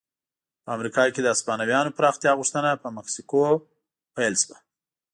په امریکا کې د هسپانویانو پراختیا غوښتنه په مکسیکو پیل شوه.